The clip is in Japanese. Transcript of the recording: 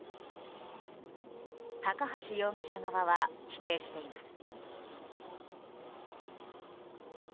高橋容疑者側は否定しています。